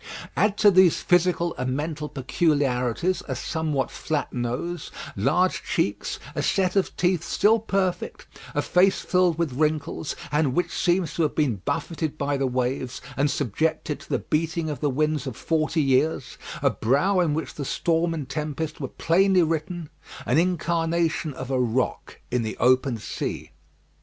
Add to these physical and mental peculiarities a somewhat flat nose, large cheeks, a set of teeth still perfect, a face filled with wrinkles, and which seemed to have been buffeted by the waves and subjected to the beating of the winds of forty years, a brow in which the storm and tempest were plainly written an incarnation of a rock in the open sea.